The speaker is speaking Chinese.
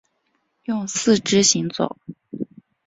用四肢行走。